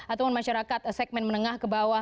ataupun masyarakat segmen menengah ke bawah